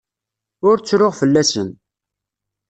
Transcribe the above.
Ur ttruɣ fell-asen.